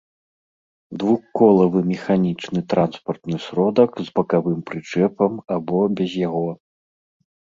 двухколавы механiчны транспартны сродак з бакавым прычэпам або без яго